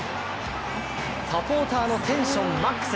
サポーターのテンションマックス。